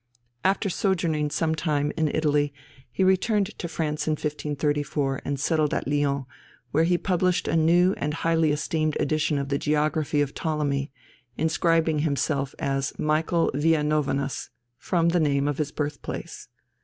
After sojourning some time in Italy, he returned to France in 1534, and settled at Lyons, where he published a new and highly esteemed edition of the Geography of Ptolemy, inscribing himself as Michael Villanovanus, from the name of his birthplace.